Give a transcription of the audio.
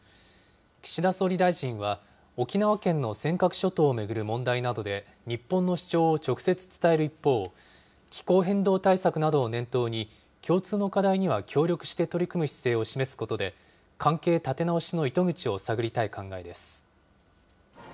岸田総理大臣は、沖縄県の尖閣諸島を巡る問題などで、日本の主張を直接伝える一方、気候変動対策などを念頭に、共通の課題には協力して取り組む姿勢を示すことで、関係立て直しの糸口を探りたい考えです。